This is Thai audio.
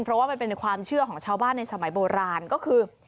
เพราะว่ามันเป็นความเชื่อของชาวบ้านในสมัยโบราณก็คือ